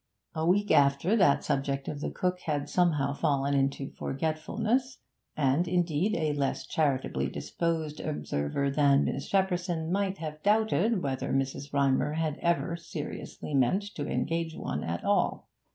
A week after that the subject of the cook had somehow fallen into forgetfulness; and, indeed, a less charitably disposed observer than Miss Shepperson might have doubted whether Mrs. Rymer had ever seriously meant to engage one at all.